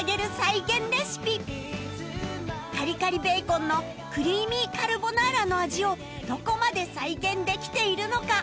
カリカリベーコンのクリーミーカルボナーラの味をどこまで再現できているのか？